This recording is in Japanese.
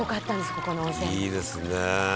ここの温泉」「いいですね」